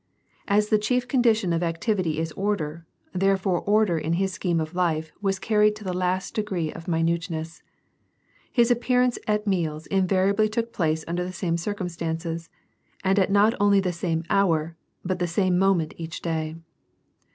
As the chief condition of activity is order, therefore order in his scheme of life was cjirried to the last degree of minuteness. His appearance at meals invaria bly took place under the same circumstances, and jit not only the same hour but the same moment each day.